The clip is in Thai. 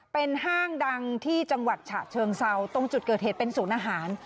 เป็นห้างดังที่จังหวัดฉะเชิงเซาตรงจุดเกิดเหตุเป็นศูนย์อาหาร